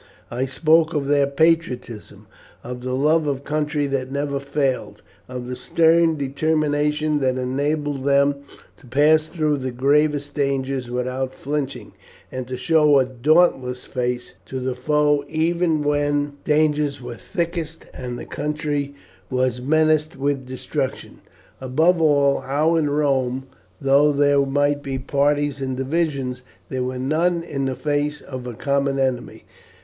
I spoke of their patriotism, of the love of country that never failed, of the stern determination that enabled them to pass through the gravest dangers without flinching, and to show a dauntless face to the foe even when dangers were thickest and the country was menaced with destruction. Above all, how in Rome, though there might be parties and divisions, there were none in the face of a common enemy.